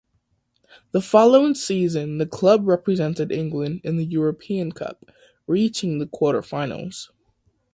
The following season the club represented England in the European Cup, reaching the quarter-finals.